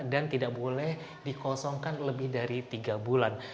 dan tidak boleh dikosongkan lebih dari tiga bulan